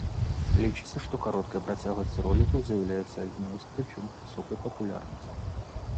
Лічыцца, што кароткая працягласць ролікаў з'яўляецца адной з прычын высокай папулярнасці.